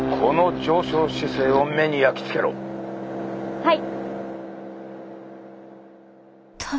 はい。